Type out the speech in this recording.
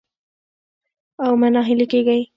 او مه ناهيلي کېږئ